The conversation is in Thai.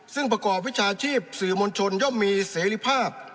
ซึ่งประกอบวิชาชีพสื่อมวลชนย่อมมีเสรีภาพ